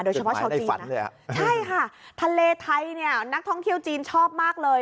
เฉพาะชาวจีนใช่ค่ะทะเลไทยเนี่ยนักท่องเที่ยวจีนชอบมากเลย